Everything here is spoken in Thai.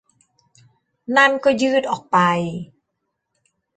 นั่นก็ยืดออกไป